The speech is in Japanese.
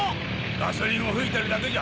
ガソリンを噴いてるだけじゃ。